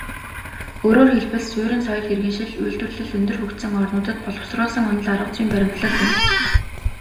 Өөрөөр хэлбэл, суурин соёл иргэншилт, үйлдвэрлэл өндөр хөгжсөн орнуудад боловсруулсан онол аргазүйн баримтлал юм.